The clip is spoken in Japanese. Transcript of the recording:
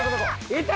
いた！